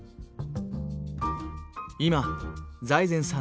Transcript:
今財前さん